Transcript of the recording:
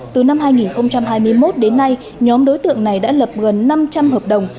từ năm hai nghìn hai mươi một đến nay nhóm đối tượng này đã lập gần năm trăm linh hợp đồng